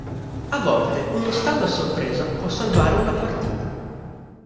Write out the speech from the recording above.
A volte uno stallo a sorpresa può salvare una partita.